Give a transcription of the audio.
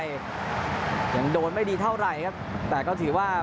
ยังโดนไม่ดีเท่าไหร่ครับแต่ก็ถือว่า